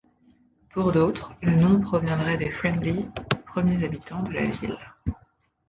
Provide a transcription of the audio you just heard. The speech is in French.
Pour d'autres, le nom proviendrait des Friendly, premiers habitants de la ville.